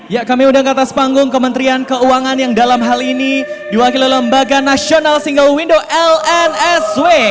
ya kami undang ke atas panggung kementerian keuangan yang dalam hal ini diwakili lembaga nasional single window lnsw